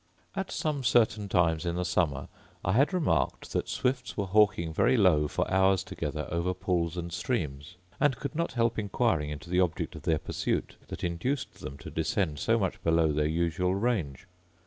At some certain times in the summer I had remarked that swifts were hawking very low for hours together over pools and streams; and could not help inquiring into the object of their pursuit that induced them to descend so much below their usual range.